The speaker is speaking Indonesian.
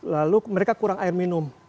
lalu mereka kurang air minum